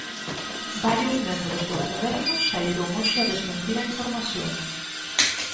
Varios membros do Goberno saíron hoxe a desmentir a información.